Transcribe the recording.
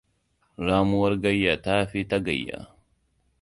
Ramuwar gayya tafi ta gayya.